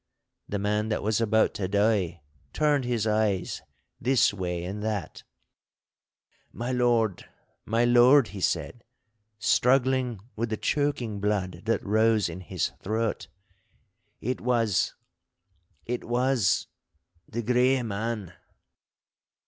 The man that was about to die turned his eyes this way and that. 'My lord, my lord,' he said, struggling with the choking blood that rose in his throat, 'it was—it was—the grey man—!